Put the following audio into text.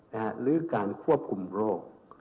หรือการควบคุมโรค